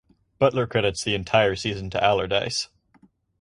Butler credits the entire season to Allerdice.